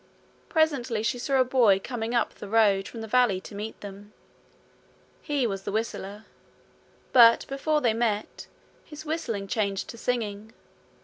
Presently she saw a boy coming up the road from the valley to meet them. He was the whistler; but before they met his whistling changed to singing.